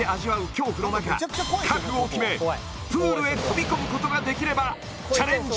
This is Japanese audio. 恐怖の中覚悟を決めプールへ飛び込むことができればチャレンジ